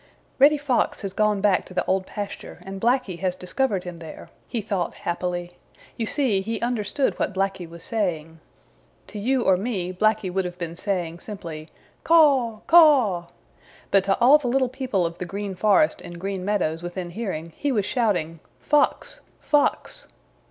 "Reddy Fox has gone back to the Old Pasture and Blacky has discovered him there," he thought happily. You see, he understood what Blacky was saying. To you or me Blacky would have been saying simply, "Caw! Caw!" But to all the little people of the Green Forest and Green Meadows within hearing he was shouting, "Fox! Fox!"